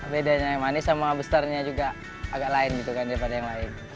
bedanya yang manis sama besarnya juga agak lain gitu kan daripada yang lain